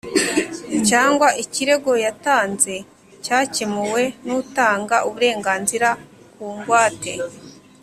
Cyangwa ikirego yatanze cyakemuwe n’utanga uburenganzira ku ngwate